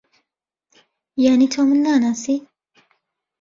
یانی تۆ من ناناسی؟